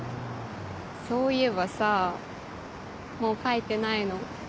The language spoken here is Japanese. そういえばさもう書いてないの？